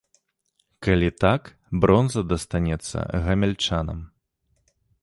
Калі так, бронза дастанецца гамяльчанам.